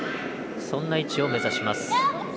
そんな位置を目指します。